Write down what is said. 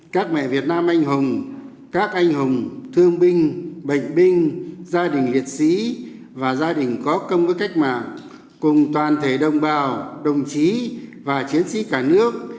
các mẹ việt nam anh hùng các anh hùng thương binh bệnh binh gia đình liệt sĩ và gia đình có công với cách mạng cùng toàn thể đồng bào đồng chí và chiến sĩ cả nước